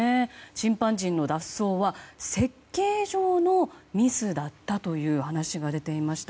チンパンジーの脱走は設計上のミスだったという話が出ていました。